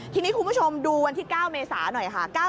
ทีนี้คุณผู้ชมดูวันที่๙เมษาหน่อยค่ะ